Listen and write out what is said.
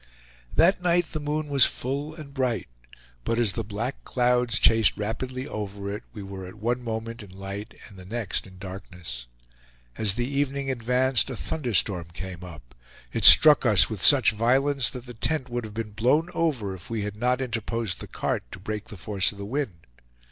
That night the moon was full and bright; but as the black clouds chased rapidly over it, we were at one moment in light and at the next in darkness. As the evening advanced, a thunderstorm came up; it struck us with such violence that the tent would have been blown over if we had not interposed the cart to break the force of the wind.